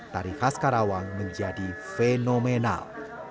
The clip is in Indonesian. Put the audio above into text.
tari khas karawang menjadi fenomenal